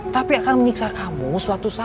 tapi akan menyiksa kamu suatu saat